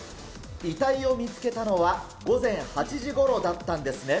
遺体を見つけたのは、午前８時ごろだったんですね？